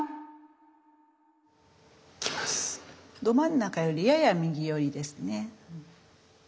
ど真ん中よりやや右よりですね。